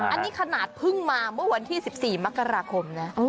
อันนี้ขนาดเพิ่งมาเมื่อวันที่๑๔มกราคมนะ